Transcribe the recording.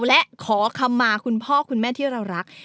และขอคำมาคุณพ่อคุณแม่ที่เรารัก